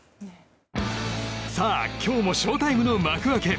今日も翔タイムの幕開け。